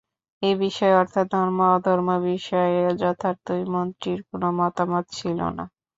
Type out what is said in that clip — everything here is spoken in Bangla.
এ বিষয়ে– অর্থাৎ ধর্ম অধর্ম বিষয়ে যথার্থই মন্ত্রীর কোনো মতামত ছিল না।